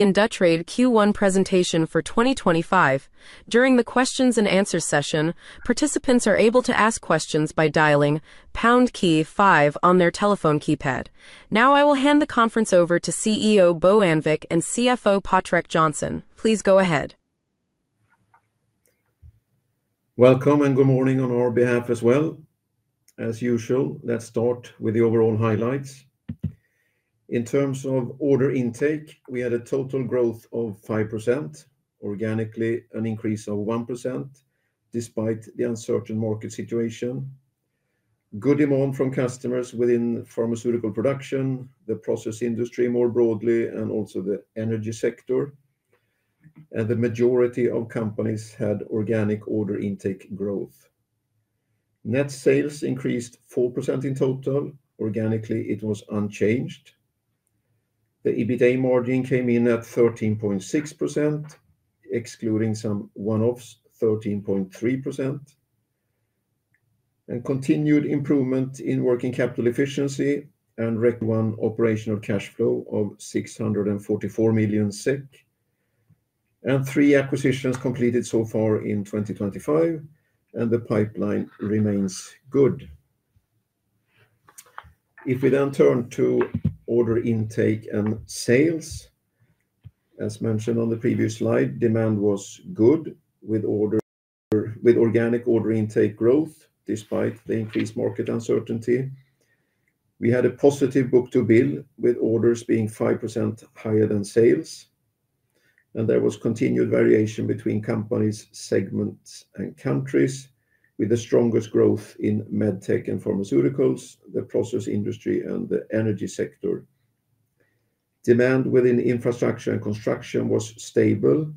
Indutrade Q1 presentation for 2025. During the Q&A session, participants are able to ask questions by dialing pound key five on their telephone keypad. Now, I will hand the conference over to CEO Bo Annvik and CFO Patrik Johnson. Please go ahead. Welcome and good morning on our behalf as well. As usual, let's start with the overall highlights. In terms of order intake, we had a total growth of 5%, organically an increase of 1%, despite the uncertain market situation. Good demand from customers within pharmaceutical production, the process industry more broadly, and also the energy sector. The majority of companies had organic order intake growth. Net sales increased 4% in total; organically, it was unchanged. The EBITDA margin came in at 13.6%, excluding some one-offs 13.3%. Continued improvement in working capital efficiency and requirement. We had a recurring operational cash flow of 644 million SEK, and three acquisitions completed so far in 2025, and the pipeline remains good. If we then turn to order intake and sales, as mentioned on the previous slide, demand was good with organic order intake growth despite the increased market uncertainty. We had a positive book-to-bill, with orders being 5% higher than sales. There was continued variation between companies, segments, and countries, with the strongest growth in medtech and pharmaceuticals, the process industry, and the energy sector. Demand within infrastructure and construction was stable,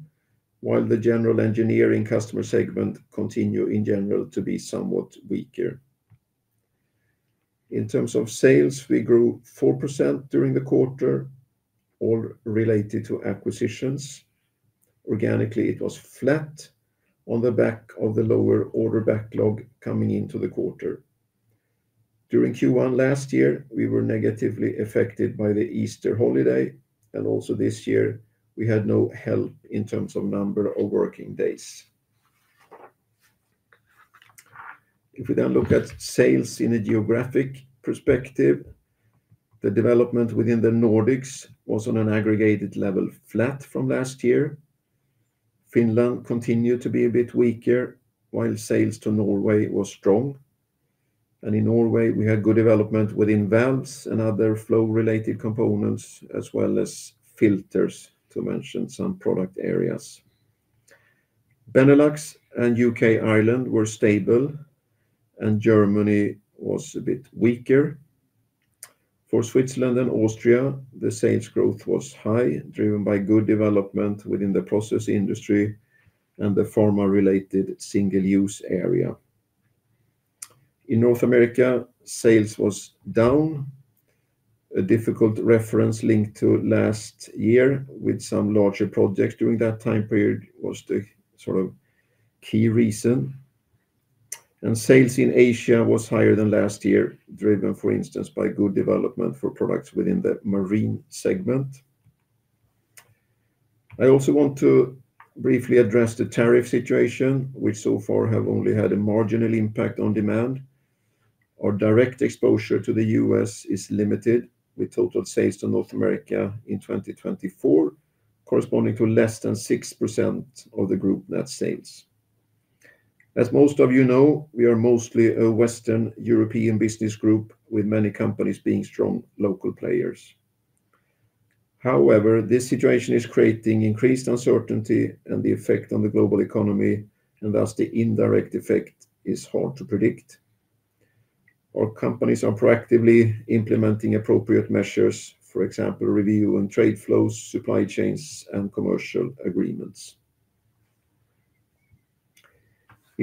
while the general engineering customer segment continued in general to be somewhat weaker. In terms of sales, we grew 4% during the quarter, all related to acquisitions. Organically, it was flat on the back of the lower order backlog coming into the quarter. During Q1 last year, we were negatively affected by the Easter holiday, and also this year we had no help in terms of number of working days. If we then look at sales in a geographic perspective, the development within the Nordics was on an aggregated level flat from last year. Finland continued to be a bit weaker, while sales to Norway were strong. In Norway, we had good development within valves and other flow-related components, as well as filters, to mention some product areas. Benelux and U.K. Ireland were stable, and Germany was a bit weaker. For Switzerland and Austria, the sales growth was high, driven by good development within the process industry and the pharma-related single-use area. In North America, sales were down. A difficult reference linked to last year, with some larger projects during that time period, was the sort of key reason. Sales in Asia were higher than last year, driven, for instance, by good development for products within the marine segment. I also want to briefly address the tariff situation, which so far has only had a marginal impact on demand. Our direct exposure to the U.S. is limited, with total sales to North America in 2024 corresponding to less than 6% of the group net sales. As most of you know, we are mostly a Western European business group, with many companies being strong local players. However, this situation is creating increased uncertainty and the effect on the global economy, and thus the indirect effect is hard to predict. Our companies are proactively implementing appropriate measures, for example, reviewing trade flows, supply chains, and commercial agreements.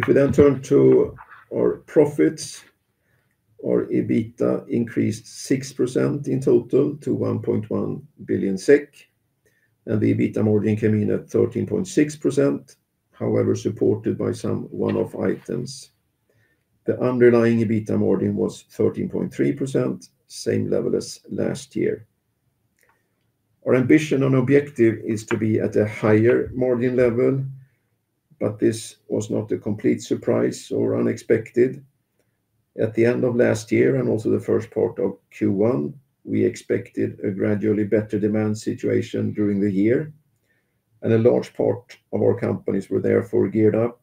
If we then turn to our profits, our EBITDA increased 6% in total to 1.1 billion SEK, and the EBITDA margin came in at 13.6%, however supported by some one-off items. The underlying EBITDA margin was 13.3%, same level as last year. Our ambition and objective is to be at a higher margin level, but this was not a complete surprise or unexpected. At the end of last year and also the first part of Q1, we expected a gradually better demand situation during the year, and a large part of our companies were therefore geared up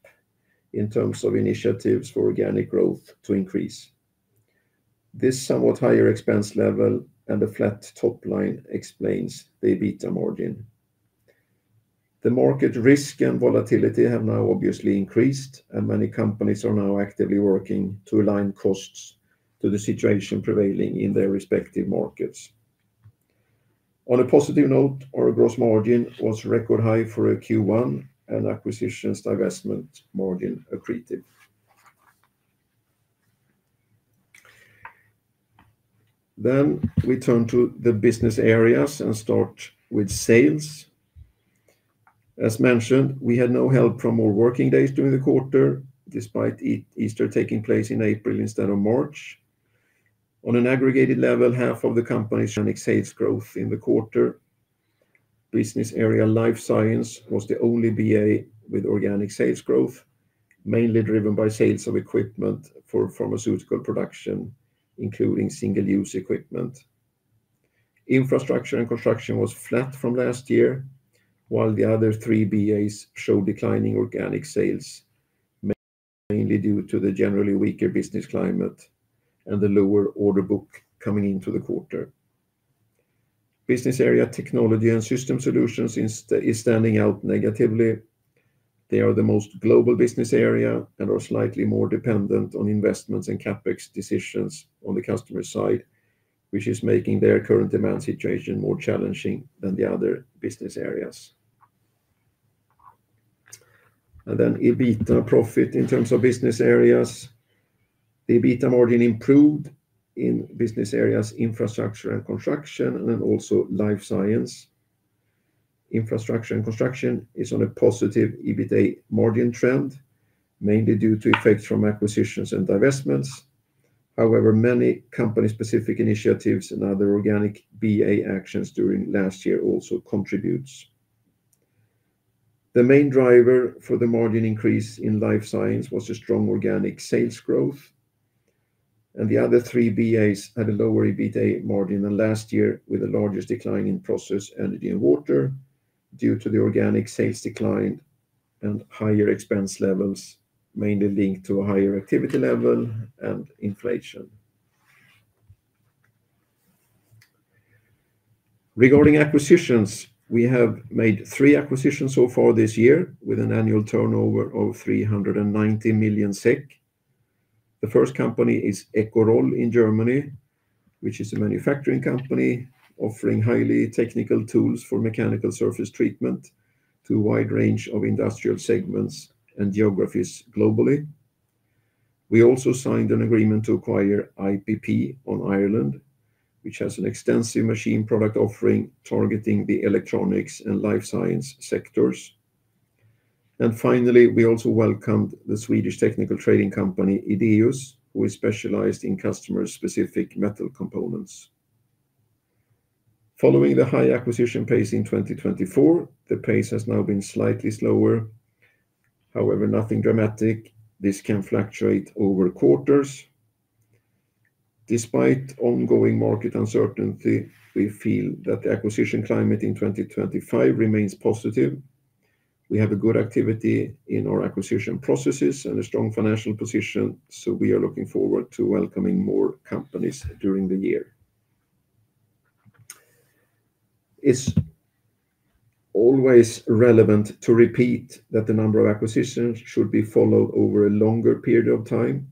in terms of initiatives for organic growth to increase. This somewhat higher expense level and the flat top line explains the EBITDA margin. The market risk and volatility have now obviously increased, and many companies are now actively working to align costs to the situation prevailing in their respective markets. On a positive note, our gross margin was record high for Q1, and acquisitions' divestment margin accretive. We turn to the business areas and start with sales. As mentioned, we had no help from more working days during the quarter, despite Easter taking place in April instead of March. On an aggregated level, half of the companies. Organic sales growth in the quarter. Business area Life Science was the only BA with organic sales growth, mainly driven by sales of equipment for pharmaceutical production, including single-use equipment. Infrastructure and Construction was flat from last year, while the other three BAs showed declining organic sales, mainly due to the generally weaker business climate and the lower order book coming into the quarter. Business area Technology and System Solutions is standing out negatively. They are the most global business area and are slightly more dependent on investments and CapEx decisions on the customer side, which is making their current demand situation more challenging than the other business areas. EBITDA profit in terms of business areas. The EBITDA margin improved in business areas Infrastructure and Construction, and also Life Science. Infrastructure and Construction is on a positive EBITDA margin trend, mainly due to effects from acquisitions and divestments. However, many company-specific initiatives and other organic BA actions during last year also contributed. The main driver for the margin increase in life science was a strong organic sales growth. The other three BAs had a lower EBITDA margin than last year, with the largest decline in process, energy, and water due to the organic sales decline and higher expense levels, mainly linked to a higher activity level and inflation. Regarding acquisitions, we have made three acquisitions so far this year, with an annual turnover of 390 million SEK. The first company is Ecoroll in Germany, which is a manufacturing company offering highly technical tools for mechanical surface treatment to a wide range of industrial segments and geographies globally. We also signed an agreement to acquire IPP in Ireland, which has an extensive machine product offering targeting the electronics and life science sectors. Finally, we also welcomed the Swedish technical trading company Ideus, who is specialized in customer-specific metal components. Following the high acquisition pace in 2024, the pace has now been slightly slower. However, nothing dramatic, this can fluctuate over quarters. Despite ongoing market uncertainty, we feel that the acquisition climate in 2025 remains positive. We have good activity in our acquisition processes and a strong financial position, so we are looking forward to welcoming more companies during the year. It's always relevant to repeat that the number of acquisitions should be followed over a longer period of time.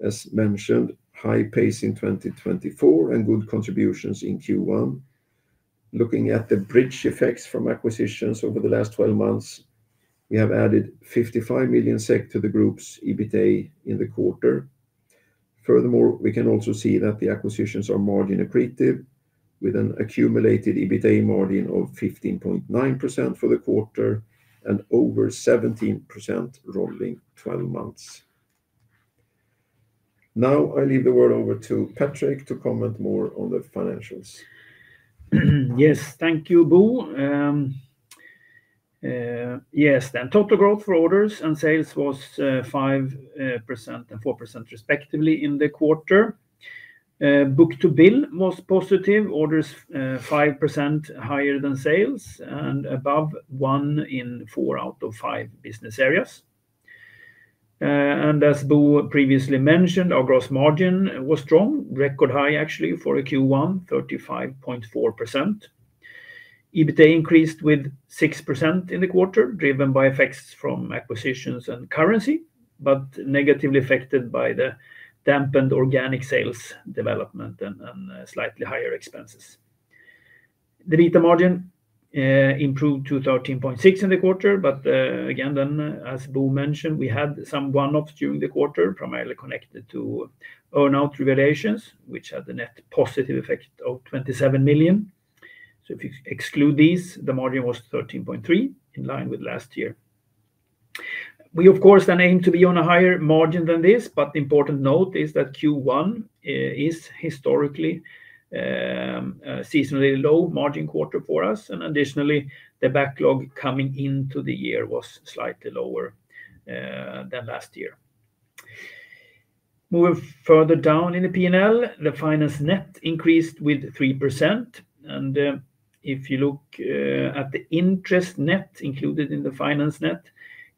As mentioned, high pace in 2024 and good contributions in Q1. Looking at the bridge effects from acquisitions over the last 12 months, we have added 55 million SEK to the group's EBITDA in the quarter. Furthermore, we can also see that the acquisitions are margin accretive, with an accumulated EBITDA margin of 15.9% for the quarter and over 17% rolling 12 months. Now I leave the word over to Patrik to comment more on the financials. Yes, thank you, Bo. Yes, then total growth for orders and sales was 5% and 4% respectively in the quarter. Book-to-bill was positive, orders 5% higher than sales and above one in four out of five business areas. As Bo previously mentioned, our gross margin was strong, record high actually for Q1, 35.4%. EBITDA increased with 6% in the quarter, driven by effects from acquisitions and currency, but negatively affected by the dampened organic sales development and slightly higher expenses. The EBITDA margin improved to 13.6% in the quarter, but again, then as Bo mentioned, we had some one-offs during the quarter, primarily connected to earn-out revaluations, which had a net positive effect of 27 million. If you exclude these, the margin was 13.3%, in line with last year. We, of course, then aim to be on a higher margin than this, but the important note is that Q1 is historically a seasonally low margin quarter for us, and additionally, the backlog coming into the year was slightly lower than last year. Moving further down in the P&L, the finance net increased with 3%. If you look at the interest net included in the finance net,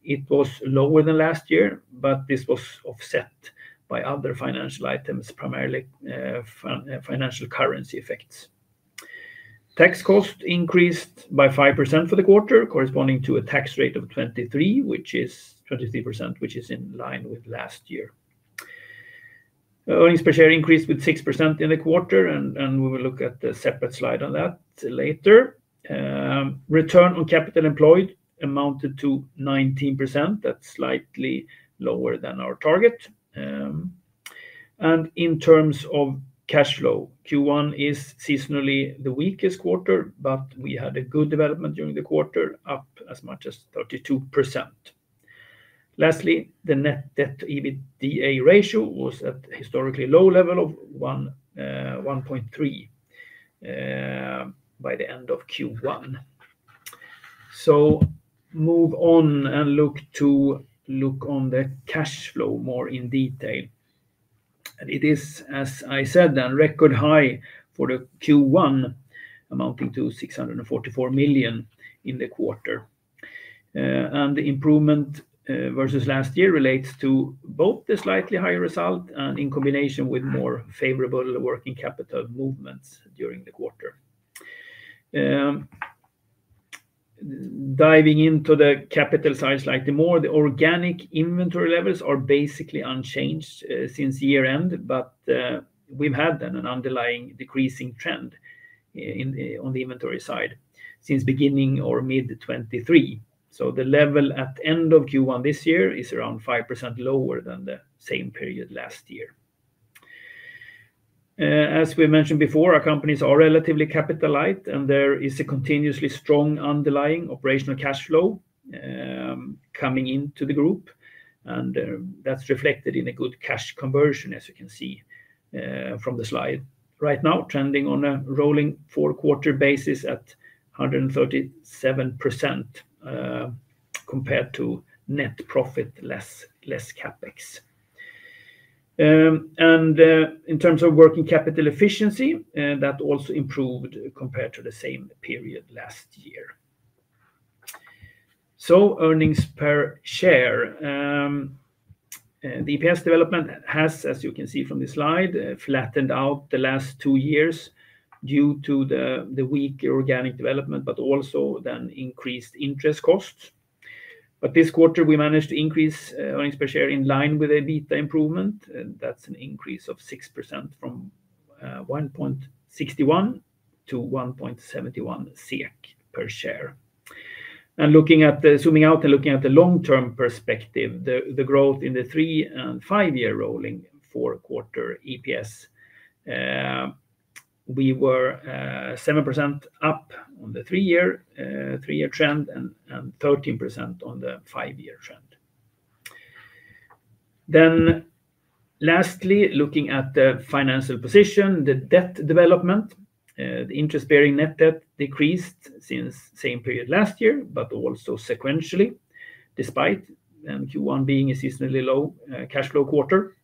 it was lower than last year, but this was offset by other financial items, primarily financial currency effects. Tax cost increased by 5% for the quarter, corresponding to a tax rate of 23%, which is in line with last year. Earnings per share increased with 6% in the quarter, and we will look at the separate slide on that later. Return on capital employed amounted to 19%. That's slightly lower than our target. In terms of cash flow, Q1 is seasonally the weakest quarter, but we had good development during the quarter, up as much as 32%. Lastly, the net debt to EBITDA ratio was at a historically low level of 1.3 by the end of Q1. Move on and look on the cash flow more in detail. It is, as I said, then record high for Q1, amounting to 644 million in the quarter. The improvement versus last year relates to both the slightly higher result and in combination with more favorable working capital movements during the quarter. Diving into the capital side slightly more, the organic inventory levels are basically unchanged since year-end, but we've had an underlying decreasing trend on the inventory side since beginning or mid-2023. The level at the end of Q1 this year is around 5% lower than the same period last year. As we mentioned before, our companies are relatively capital-light, and there is a continuously strong underlying operational cash flow coming into the group, and that's reflected in a good cash conversion, as you can see from the slide. Right now, trending on a rolling four-quarter basis at 137% compared to net profit less CapEx. In terms of working capital efficiency, that also improved compared to the same period last year. Earnings per share, the EPS development has, as you can see from the slide, flattened out the last two years due to the weak organic development, but also then increased interest costs. This quarter, we managed to increase earnings per share in line with the Beta improvement. That's an increase of 6% from 1.61 to 1.71 SEK per share. Looking at the zooming out and looking at the long-term perspective, the growth in the three and five-year rolling four-quarter EPS, we were 7% up on the three-year trend and 13% on the five-year trend. Lastly, looking at the financial position, the debt development, the interest-bearing net debt decreased since the same period last year, but also sequentially, despite Q1 being a seasonally low cash flow quarter.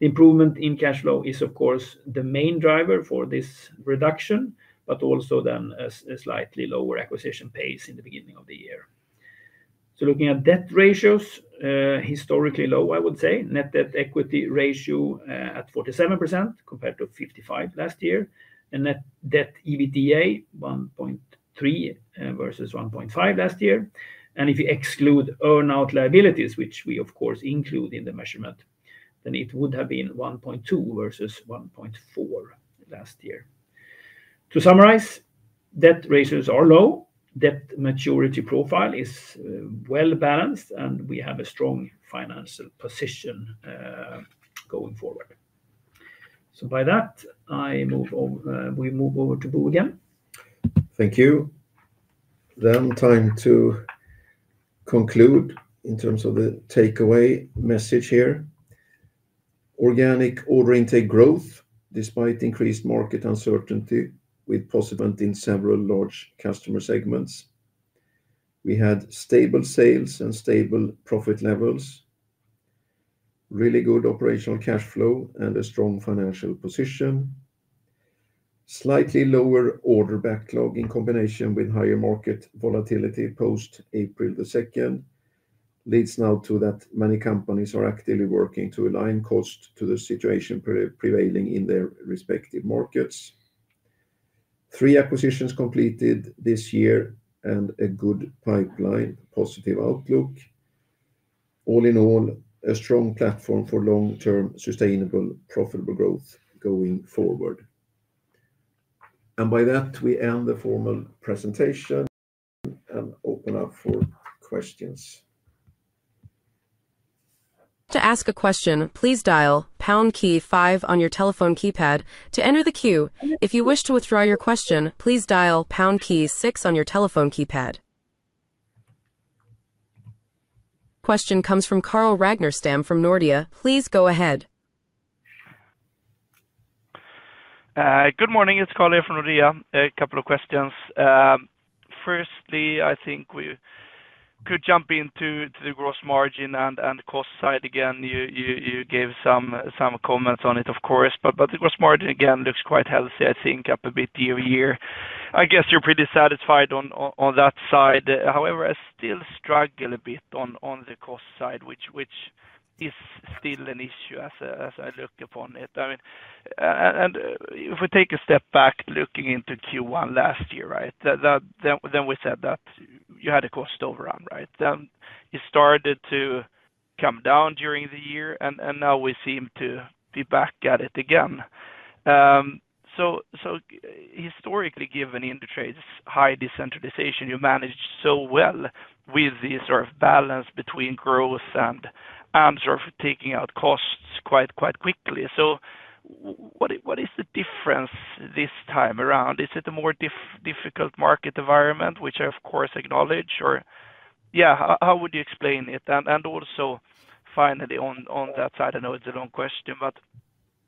The improvement in cash flow is, of course, the main driver for this reduction, but also then a slightly lower acquisition pace in the beginning of the year. Looking at debt ratios, historically low, I would say, net debt equity ratio at 47% compared to 55% last year, and net debt EBITDA 1.3% versus 1.5% last year. If you exclude earn-out liabilities, which we, of course, include in the measurement, then it would have been 1.2% versus 1.4% last year. To summarize, debt ratios are low, debt maturity profile is well balanced, and we have a strong financial position going forward. By that, we move over to Bo again. Thank you. Time to conclude in terms of the takeaway message here. Organic order intake growth despite increased market uncertainty with positive in several large customer segments. We had stable sales and stable profit levels, really good operational cash flow, and a strong financial position. Slightly lower order backlog in combination with higher market volatility post-April 2 leads now to that many companies are actively working to align cost to the situation prevailing in their respective markets. Three acquisitions completed this year and a good pipeline, positive outlook. All in all, a strong platform for long-term sustainable profitable growth going forward. By that, we end the formal presentation and open up for questions. To ask a question, please dial pound key five on your telephone keypad to enter the queue. If you wish to withdraw your question, please dial pound key six on your telephone keypad. Question comes from Carl Ragnerstam from Nordea. Please go ahead. Good morning. It's Carl here from Nordea. A couple of questions. Firstly, I think we could jump into the gross margin and cost side again. You gave some comments on it, of course, but the gross margin again looks quite healthy, I think, up a bit year to year. I guess you're pretty satisfied on that side. However, I still struggle a bit on the cost side, which is still an issue as I look upon it. If we take a step back looking into Q1 last year, then we said that you had a cost overrun. It started to come down during the year, and now we seem to be back at it again. Historically, given industry's high decentralization, you managed so well with the sort of balance between growth and sort of taking out costs quite quickly. What is the difference this time around? Is it a more difficult market environment, which I, of course, acknowledge? Yeah, how would you explain it? Also, finally, on that side, I know it's a long question, but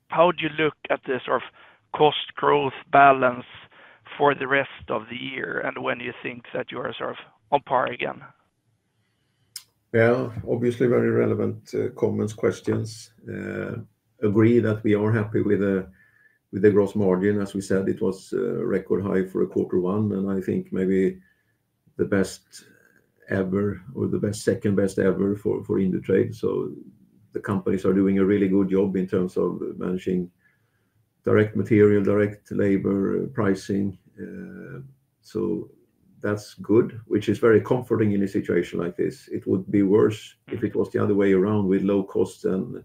how do you look at the sort of cost growth balance for the rest of the year and when you think that you are sort of on par again? Obviously, very relevant comments, questions. Agree that we are happy with the gross margin. As we said, it was record high for quarter one, and I think maybe the best ever or the second best ever for Indutrade. The companies are doing a really good job in terms of managing direct material, direct labor, pricing. That is good, which is very comforting in a situation like this. It would be worse if it was the other way around with low costs or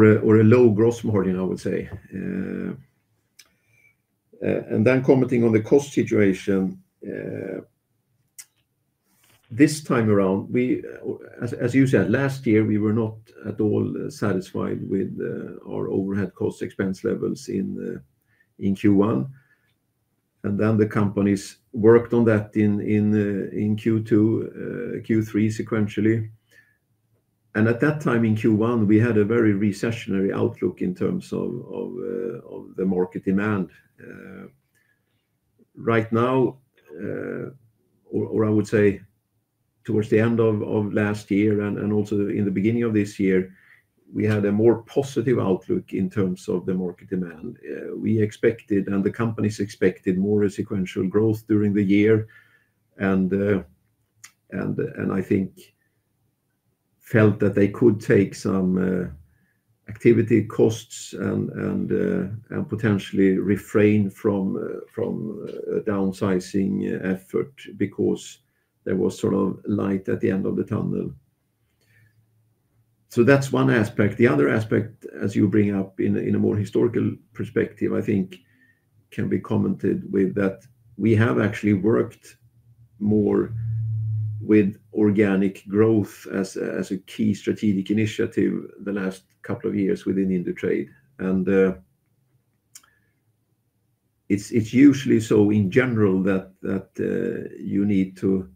a low gross margin, I would say. Commenting on the cost situation, this time around, as you said, last year, we were not at all satisfied with our overhead cost expense levels in Q1. The companies worked on that in Q2, Q3 sequentially. At that time in Q1, we had a very recessionary outlook in terms of the market demand. Right now, or I would say towards the end of last year and also in the beginning of this year, we had a more positive outlook in terms of the market demand. We expected, and the companies expected more sequential growth during the year, and I think felt that they could take some activity costs and potentially refrain from downsizing effort because there was sort of light at the end of the tunnel. That is one aspect. The other aspect, as you bring up in a more historical perspective, I think can be commented with that we have actually worked more with organic growth as a key strategic initiative the last couple of years within Indutrade. It is usually so in general that you need to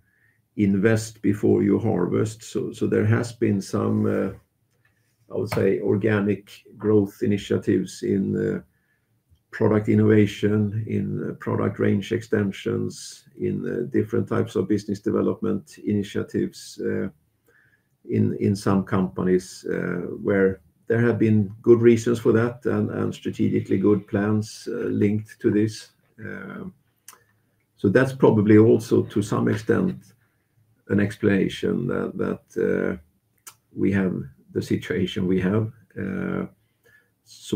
invest before you harvest. There has been some, I would say, organic growth initiatives in product innovation, in product range extensions, in different types of business development initiatives in some companies where there have been good reasons for that and strategically good plans linked to this. That is probably also to some extent an explanation that we have the situation we have.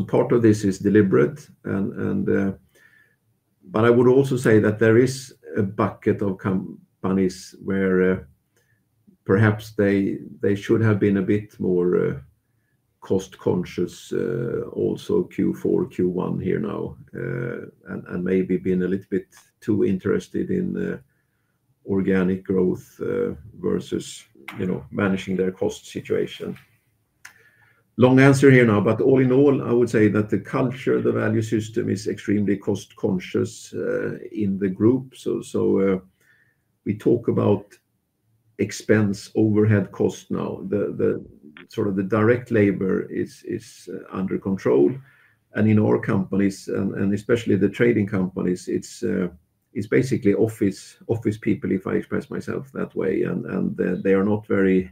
Part of this is deliberate, but I would also say that there is a bucket of companies where perhaps they should have been a bit more cost-conscious also Q4, Q1 here now, and maybe been a little bit too interested in organic growth versus managing their cost situation. Long answer here now, but all in all, I would say that the culture, the value system is extremely cost-conscious in the group. We talk about expense overhead cost now. Sort of the direct labor is under control. In our companies, and especially the trading companies, it's basically office people, if I express myself that way, and they are not very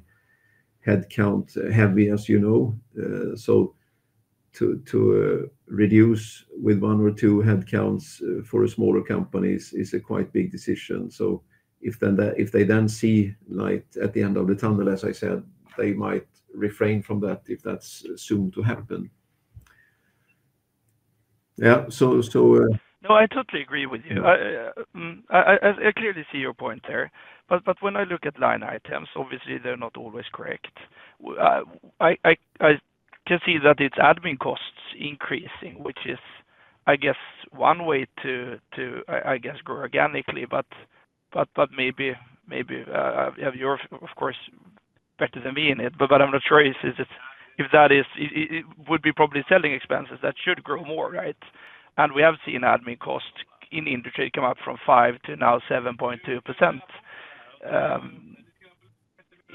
headcount heavy, as you know. To reduce with one or two headcounts for smaller companies is a quite big decision. If they then see light at the end of the tunnel, as I said, they might refrain from that if that's soon to happen. Yeah, so. No, I totally agree with you. I clearly see your point there. When I look at line items, obviously, they're not always correct. I can see that it's admin costs increasing, which is, I guess, one way to, I guess, grow organically, but maybe you're, of course, better than me in it. I'm not sure if that would be probably selling expenses that should grow more, right? We have seen admin costs in industry come up from 5% to now 7.2%.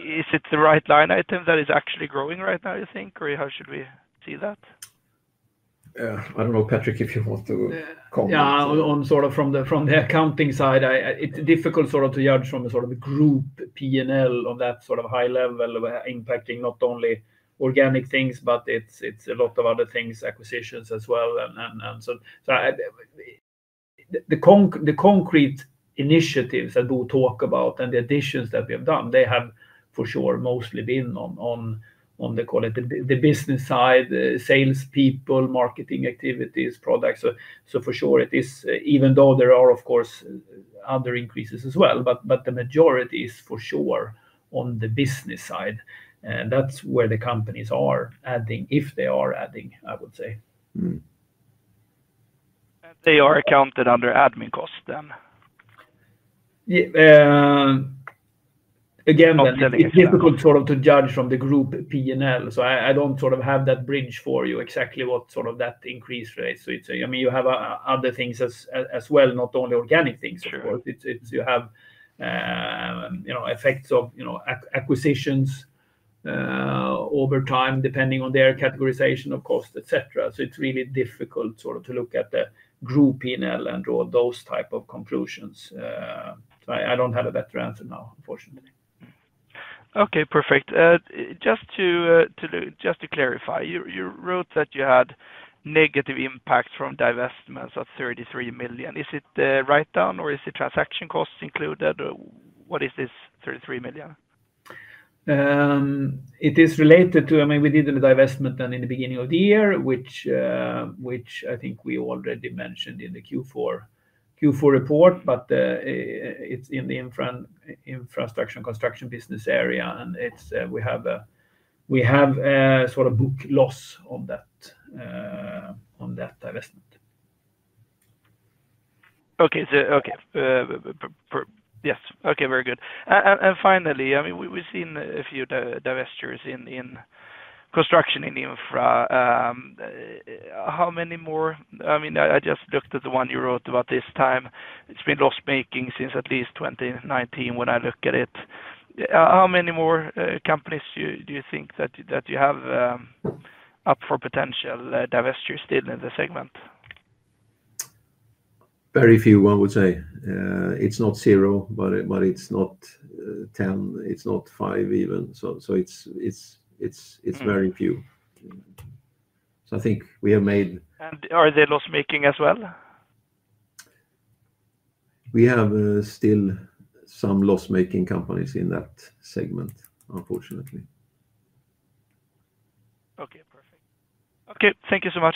Is it the right line item that is actually growing right now, you think, or how should we see that? Yeah, I don't know, Patrik, if you want to comment. Yeah, on sort of from the accounting side, it's difficult sort of to judge from a sort of group P&L on that sort of high level impacting not only organic things, but it's a lot of other things, acquisitions as well. The concrete initiatives that Bo talk about and the additions that we have done, they have for sure mostly been on the business side, salespeople, marketing activities, products. For sure, it is, even though there are, of course, other increases as well, but the majority is for sure on the business side. That's where the companies are adding, if they are adding, I would say. They are accounted under admin cost then. Again, it's difficult sort of to judge from the group P&L. I don't sort of have that bridge for you, exactly what sort of that increase rate. You have other things as well, not only organic things, of course. You have effects of acquisitions over time depending on their categorization of cost, etc. It's really difficult sort of to look at the group P&L and draw those type of conclusions. I don't have a better answer now, unfortunately. Okay, perfect. Just to clarify, you wrote that you had negative impact from divestments of 33 million. Is it the write-down or is it transaction costs included? What is this 33 million? It is related to, I mean, we did a divestment then in the beginning of the year, which I think we already mentioned in the Q4 report, but it is in the infrastructure and construction business area. We have a sort of book loss on that divestment. Okay. Yes. Okay, very good. Finally, I mean, we've seen a few divestitures in construction in infra. How many more? I mean, I just looked at the one you wrote about this time. It's been loss-making since at least 2019 when I look at it. How many more companies do you think that you have up for potential divestitures still in the segment? Very few, I would say. It's not zero, but it's not 10. It's not 5 even. It's very few. I think we have made. Are they loss-making as well? We have still some loss-making companies in that segment, unfortunately. Okay, perfect. Okay, thank you so much.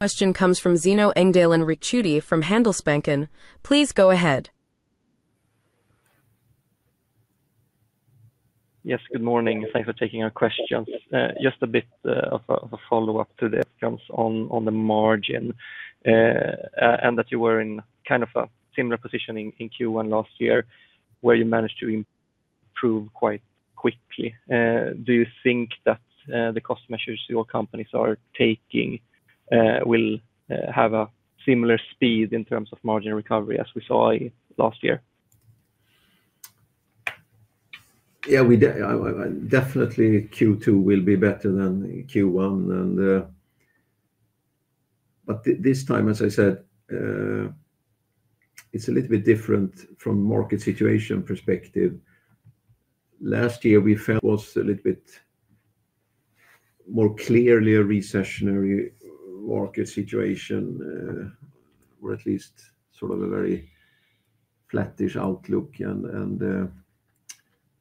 Question comes from Zino Engdalen Ricciuti from Handelsbanken. Please go ahead. Yes, good morning. Thanks for taking our questions. Just a bit of a follow-up to outcomes on the margin and that you were in kind of a similar position in Q1 last year where you managed to improve quite quickly. Do you think that the cost measures your companies are taking will have a similar speed in terms of margin recovery as we saw last year? Yeah, definitely Q2 will be better than Q1. This time, as I said, it's a little bit different from a market situation perspective. Last year, we were a little bit more clearly a recessionary market situation, or at least sort of a very flattish outlook.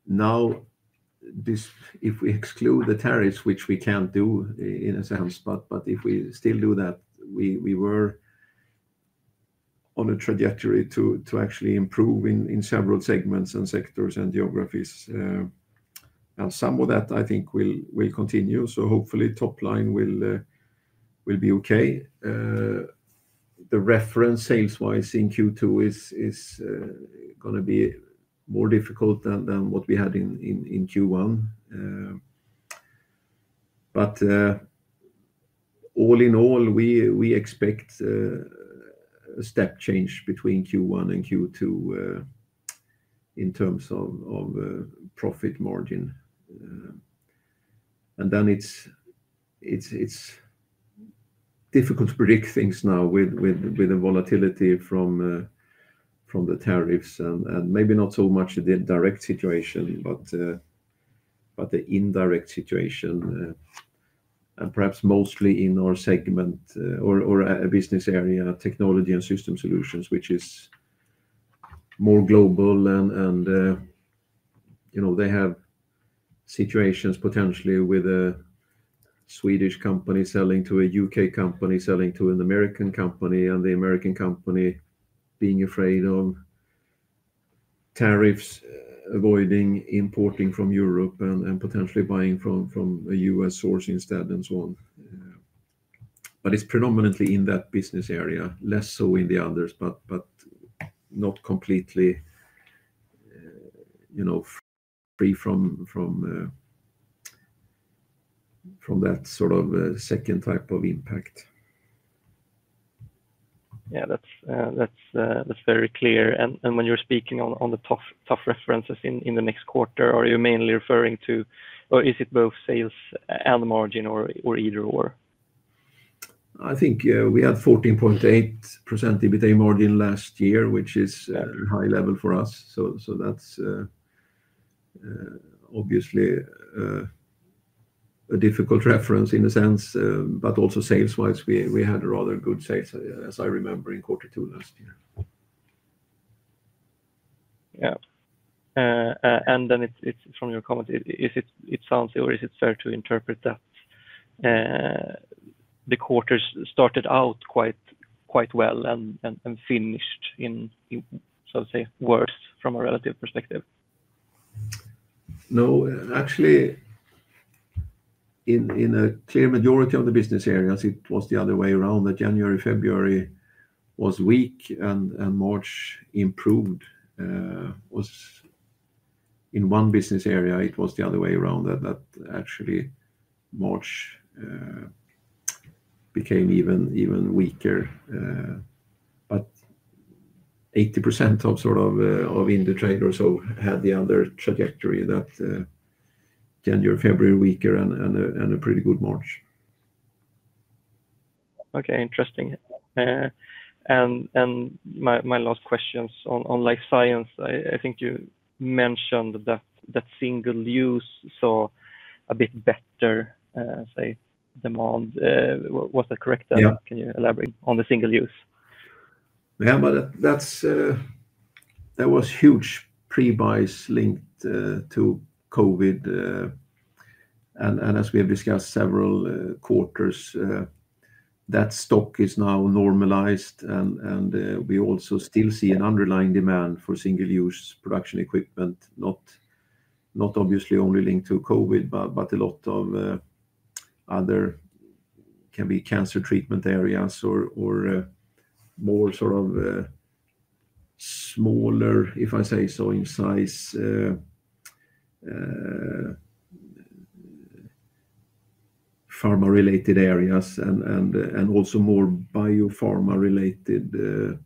Now, if we exclude the tariffs, which we can't do in a sense, but if we still do that, we were on a trajectory to actually improve in several segments and sectors and geographies. Some of that, I think, will continue. Hopefully, top line will be okay. The reference sales-wise in Q2 is going to be more difficult than what we had in Q1. All in all, we expect a step change between Q1 and Q2 in terms of profit margin. It is difficult to predict things now with the volatility from the tariffs and maybe not so much the direct situation, but the indirect situation. Perhaps mostly in our segment or a business area, technology and system solutions, which is more global. They have situations potentially with a Swedish company selling to a U.K. company selling to an American company, and the American company being afraid of tariffs, avoiding importing from Europe and potentially buying from a U.S. source instead and so on. It is predominantly in that business area, less so in the others, but not completely free from that sort of second type of impact. Yeah, that's very clear. When you're speaking on the tough references in the next quarter, are you mainly referring to, or is it both sales and margin or either/or? I think we had 14.8% EBITDA margin last year, which is a high level for us. That is obviously a difficult reference in a sense, but also sales-wise, we had a rather good sales, as I remember, in quarter two last year. Yeah. From your comment, it sounds, or is it fair to interpret that the quarter started out quite well and finished in, so to say, worse from a relative perspective? No, actually, in a clear majority of the business areas, it was the other way around that January, February was weak and March improved. In one business area, it was the other way around that actually March became even weaker. But 80% of industry also had the other trajectory that January, February weaker and a pretty good March. Okay, interesting. My last questions on life science, I think you mentioned that single use saw a bit better, say, demand. Was that correct? Yeah. Can you elaborate on the single use? Yeah, there was huge pre-buys linked to COVID. As we have discussed several quarters, that stock is now normalized. We also still see an underlying demand for single-use production equipment, not obviously only linked to COVID, but a lot of other, can be cancer treatment areas or more sort of smaller, if I say so, in size, pharma-related areas and also more biopharma-related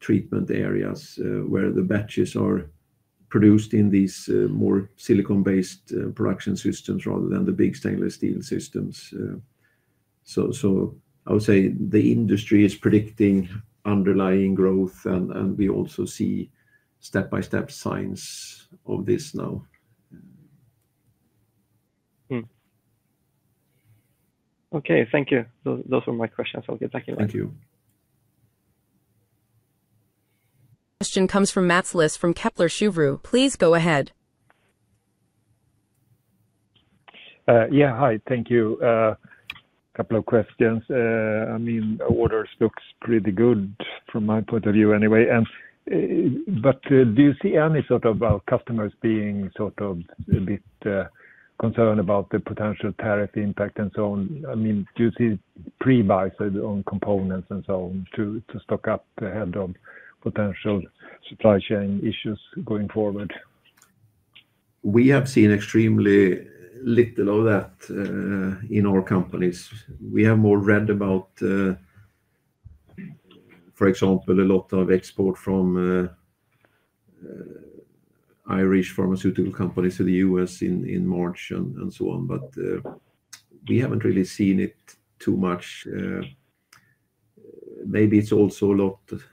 treatment areas where the batches are produced in these more silicon-based production systems rather than the big stainless steel systems. I would say the industry is predicting underlying growth, and we also see step-by-step signs of this now. Okay, thank you. Those were my questions. I'll get back to you. Thank you. Question comes from Mats Liss from Kepler Cheuvreux. Please go ahead. Yeah, hi. Thank you. A couple of questions. I mean, orders look pretty good from my point of view anyway. Do you see any sort of customers being sort of a bit concerned about the potential tariff impact and so on? I mean, do you see pre-buys on components and so on to stock up ahead of potential supply chain issues going forward? We have seen extremely little of that in our companies. We have more read about, for example, a lot of export from Irish pharmaceutical companies to the U.S. in March and so on. We have not really seen it too much. Maybe it is also a lot of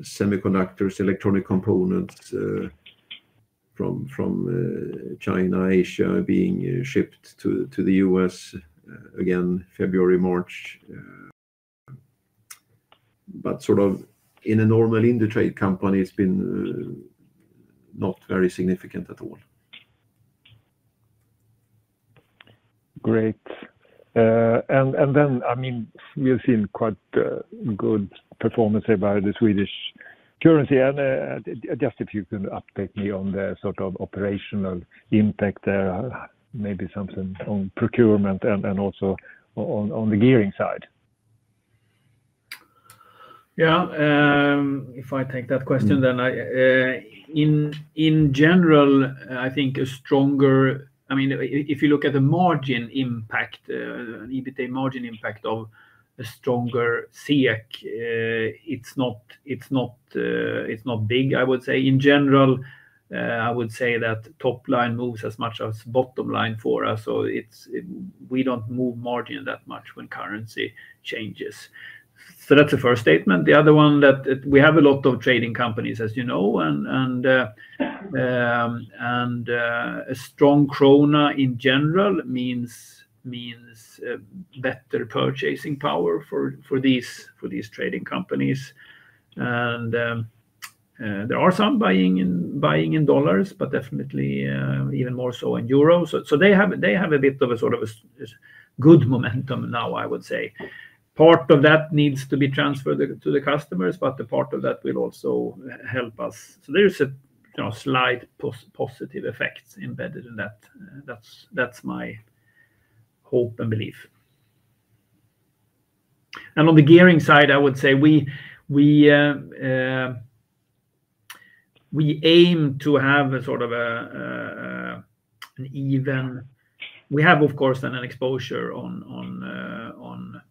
semiconductors, electronic components from China, Asia being shipped to the U.S. again, February, March. In a normal industry company, it has been not very significant at all. Great. I mean, we've seen quite good performance by the Swedish currency. Just if you can update me on the sort of operational impact there, maybe something on procurement and also on the gearing side. Yeah, if I take that question, then in general, I think a stronger, I mean, if you look at the margin impact, EBITDA margin impact of a stronger SEK, it's not big, I would say. In general, I would say that top line moves as much as bottom line for us. We do not move margin that much when currency changes. That is the first statement. The other one is that we have a lot of trading companies, as you know, and a strong krona in general means better purchasing power for these trading companies. There are some buying in dollars, but definitely even more so in euros. They have a bit of a sort of good momentum now, I would say. Part of that needs to be transferred to the customers, but part of that will also help us. There is a slight positive effect embedded in that. That's my hope and belief. On the gearing side, I would say we aim to have sort of an even—we have, of course, an exposure on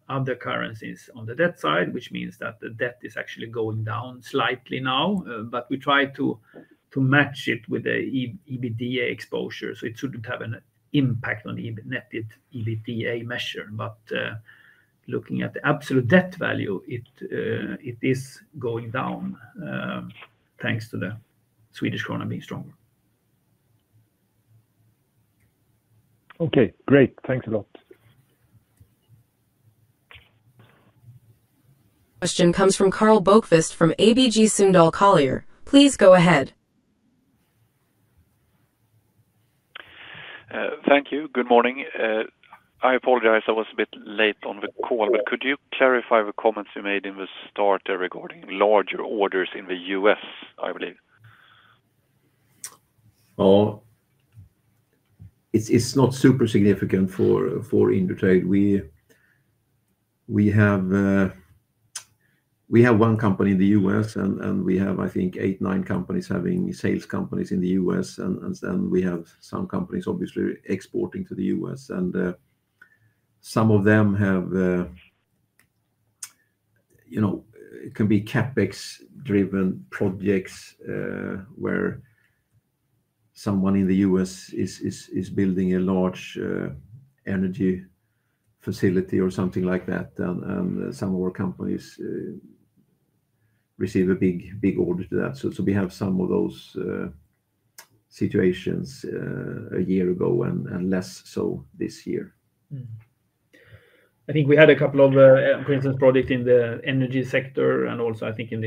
other currencies on the debt side, which means that the debt is actually going down slightly now. We try to match it with the EBITDA exposure. It shouldn't have an impact on the net debt to EBITDA measure. Looking at the absolute debt value, it is going down thanks to the Swedish krona being stronger. Okay, great. Thanks a lot. Question comes from Karl Bokvist from ABG Sundal Collier. Please go ahead. Thank you. Good morning. I apologize. I was a bit late on the call, but could you clarify the comments you made in the start regarding larger orders in the U.S., I believe? It's not super significant for industry. We have one company in the U.S., and we have, I think, eight, nine companies having sales companies in the U.S. We have some companies, obviously, exporting to the U.S. Some of them have, it can be CapEx-driven projects where someone in the U.S. is building a large energy facility or something like that. Some of our companies receive a big order to that. We had some of those situations a year ago and less so this year. I think we had a couple of, for instance, projects in the energy sector and also, I think, in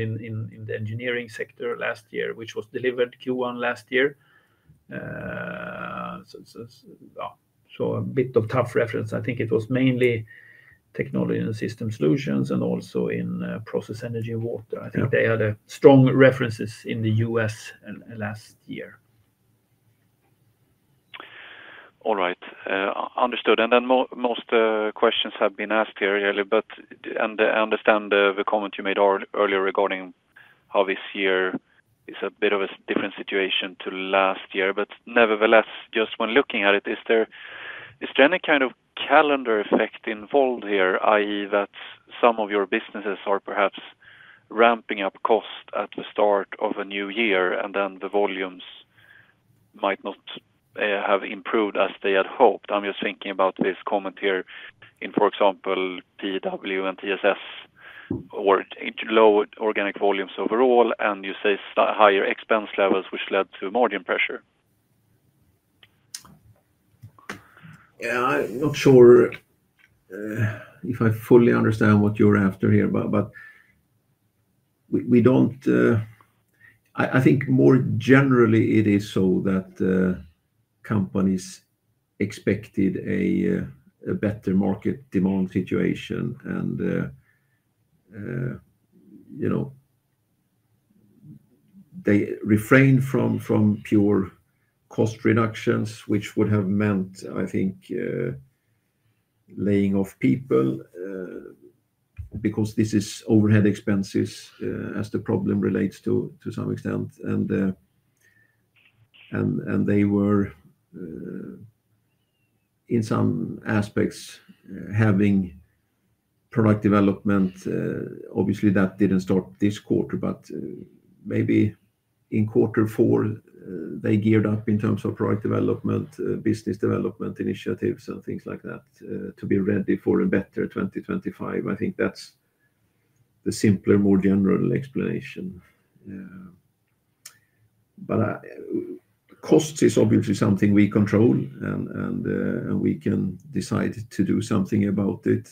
the engineering sector last year, which was delivered Q1 last year. A bit of tough reference. I think it was mainly technology and system solutions and also in process energy and water. I think they had strong references in the U.S. last year. All right. Understood. Most questions have been asked here earlier. I understand the comment you made earlier regarding how this year is a bit of a different situation to last year. Nevertheless, just when looking at it, is there any kind of calendar effect involved here, i.e., that some of your businesses are perhaps ramping up cost at the start of a new year and then the volumes might not have improved as they had hoped? I'm just thinking about this comment here in, for example, PW and TSS or low organic volumes overall, and you say higher expense levels, which led to margin pressure. Yeah, I'm not sure if I fully understand what you're after here, but I think more generally, it is so that companies expected a better market demand situation. They refrained from pure cost reductions, which would have meant, I think, laying off people because this is overhead expenses as the problem relates to some extent. They were, in some aspects, having product development. Obviously, that didn't start this quarter, but maybe in quarter four, they geared up in terms of product development, business development initiatives, and things like that to be ready for a better 2025. I think that's the simpler, more general explanation. Cost is obviously something we control, and we can decide to do something about it.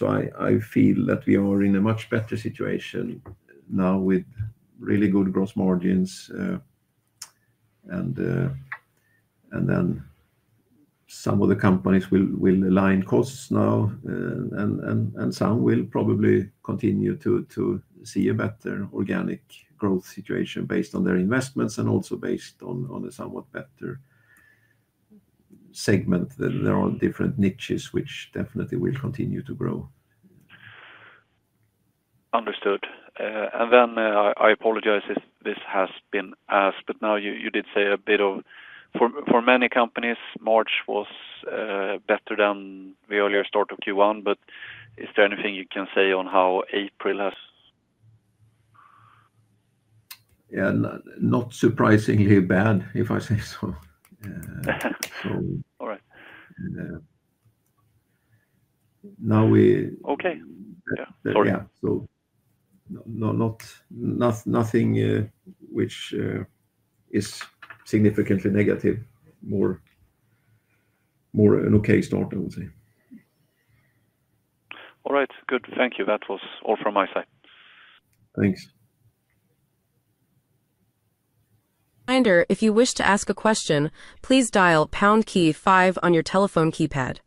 I feel that we are in a much better situation now with really good gross margins. Some of the companies will align costs now, and some will probably continue to see a better organic growth situation based on their investments and also based on a somewhat better segment. There are different niches which definitely will continue to grow. Understood. I apologize if this has been asked, but you did say a bit of for many companies, March was better than the earlier start of Q1. Is there anything you can say on how April? Yeah, not surprisingly bad, if I say so. All right. Now we. Okay. Yeah. Sorry. Nothing which is significantly negative, more an okay start, I would say. All right. Good. Thank you. That was all from my side. Thanks. Reminder, if you wish to ask a question, please dial pound key five on your telephone keypad.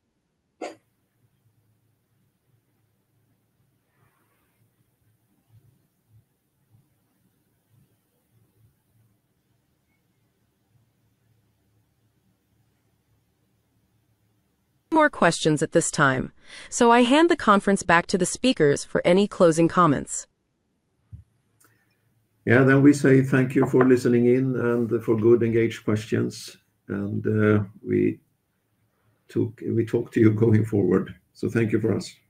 No more questions at this time. I hand the conference back to the speakers for any closing comments. Yeah, we say thank you for listening in and for good engaged questions. We talk to you going forward. Thank you for us.